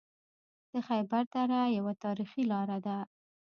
د خیبر دره یوه تاریخي لاره ده